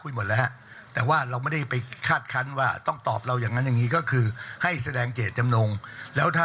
หมายถึงว่าของประชาธิบาลพลังประชาระบริษัทช่างชาติ